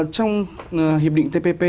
trong hiệp định tpp